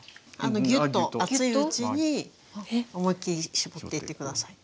ぎゅっと熱いうちに思いっきり搾っていって下さい。